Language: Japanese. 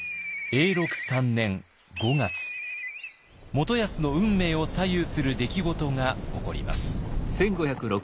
元康の運命を左右する出来事が起こります。